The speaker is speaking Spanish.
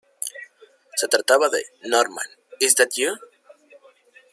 Se trataba de "Norman, Is That You?